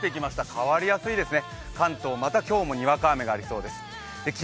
変わりやすいですね。